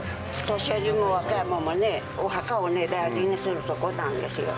年よりも若いもんもね、お墓を大事にする所なんですよ。